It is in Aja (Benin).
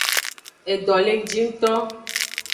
Edo le ngji ngto.